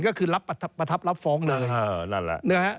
ก็คือรับประทับรับฟ้องเลย